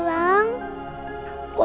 kalau aku tak bisa